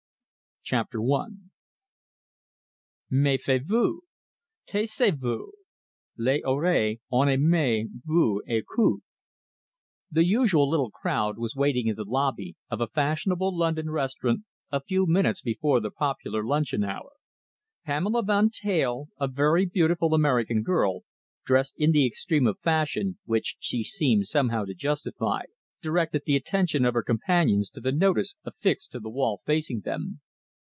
CHAPTER I Mefiez Vous! Taisez Vous! Les Oreilles Ennemies Vous Ecoutent! The usual little crowd was waiting in the lobby of a fashionable London restaurant a few minutes before the popular luncheon hour. Pamela Van Teyl, a very beautiful American girl, dressed in the extreme of fashion, which she seemed somehow to justify, directed the attention of her companions to the notice affixed to the wall facing them.